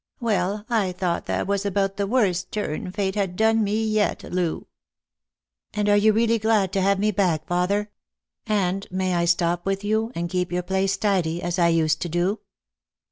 " Well, I thought that was about the worst turn Fate had done me yet, Loo." "And are you really glad to have me back, father? And 224 Lost for Love. may I stop with yon, and keep your place tidy, as I used to do?"